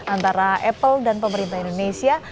antara apple dan pemerintah indonesia